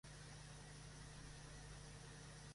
La vuelta de Sra.